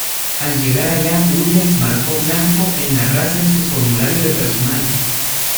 Al llegar allá, Williams marcó "blanco" en la raza en su formulario de personal.